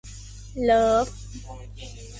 เลิฟ